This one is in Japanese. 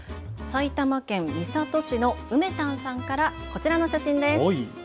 埼玉県三郷市のうめたんさんからこちらの写真です。